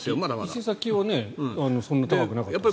伊勢崎はそんなに高くなかったですね。